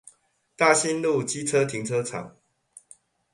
大新路機車停車場